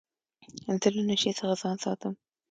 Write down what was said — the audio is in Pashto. زه له نشې څخه ځان ساتم.